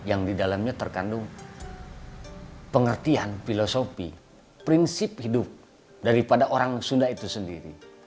yang di dalamnya terkandung pengertian filosofi prinsip hidup daripada orang sunda itu sendiri